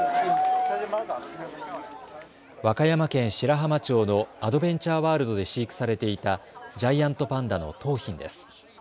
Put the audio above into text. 和歌山県白浜町のアドベンチャーワールドで飼育されていたジャイアントパンダの桃浜です。